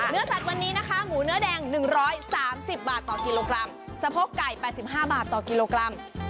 เนื้อสัตว์วันนี้นะคะหมูเนื้อแดง๑๓๐บาทต่อกิโลกรัมสะโพกไก่๘๕บาทต่อกิโลกรัม